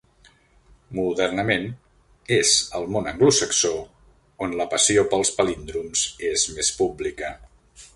Modernament, és al món anglosaxó on la passió pels palíndroms és més pública.